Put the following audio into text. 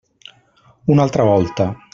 Una altra volta.